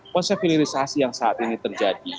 konsep hilirisasi yang saat ini terjadi